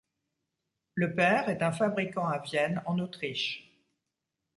Le père est un fabriquant à Vienne, en Autriche.